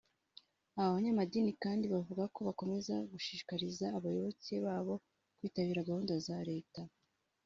Aba banyamadini kandi bavuga ko bakomeza gushishikariza abayoboke babo kwitabira gahunda za leta